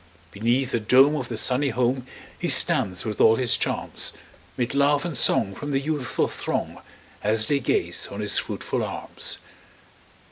Beneath the dome of the sunny home, He stands with all his charms; 'Mid laugh and song from the youthful throng, As they gaze on his fruitful arms.